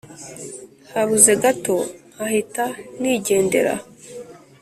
Habuze gato nkahita nigendera